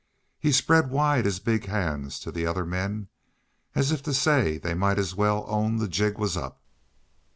He spread wide his big hands to the other men, as if to say they'd might as well own the jig was up.